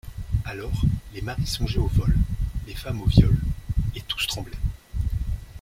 Alors les maris songeaient au vol, les femmes au viol, et tous tremblaient.